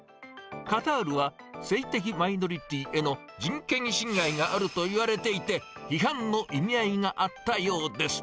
カタールは性的マイノリティーへの人権侵害があるといわれていて、批判の意味合いがあったようです。